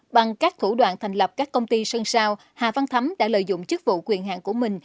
bằng các thủ đoạn thành lập các công ty sơn sao hà văn thấm đã lợi dụng chức vụ quyền hạn của mình